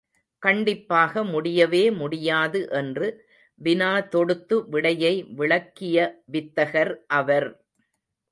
கண்டிப்பாக முடியவே முடியாது என்று வினா தொடுத்து விடையை விளக்கிய வித்தகர் அவர்!